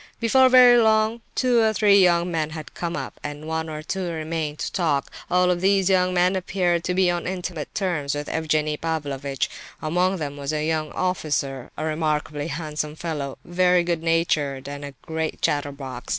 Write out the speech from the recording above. Before very long two or three young men had come up, and one or two remained to talk; all of these young men appeared to be on intimate terms with Evgenie Pavlovitch. Among them was a young officer, a remarkably handsome fellow—very good natured and a great chatterbox.